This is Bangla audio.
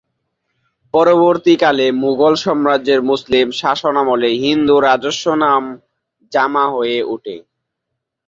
পরবর্তীকালে, মুগল সাম্রাজ্যের মুসলিম শাসনামলে হিন্দু 'রাজস্ব' নাম 'জামা' হয়ে ওঠে।